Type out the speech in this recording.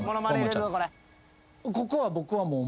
ここは僕はもう。